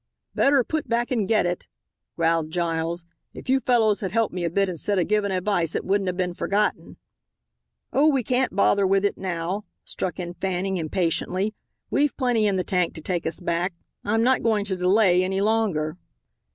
"Better put back and get it," growled Giles; "if you fellows had helped me a bit instead of givin' advice it wouldn't have bin forgotten." "Oh, we can't bother with it now," struck in Fanning, impatiently, "we've plenty in the tank to take us back. I'm not going to delay any longer."